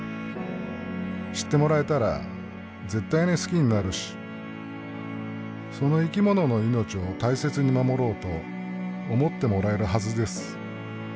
知ってもらえたら絶対に好きになるしその生きものの命を大切に守ろうと思ってもらえるはずです。